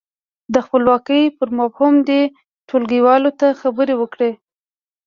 د خپلواکۍ پر مفهوم دې ټولګیوالو ته خبرې وکړي.